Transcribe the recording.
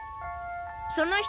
その人。